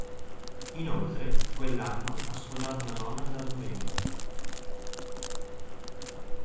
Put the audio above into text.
Inoltre quell'anno ha sposato una donna della Slovenia.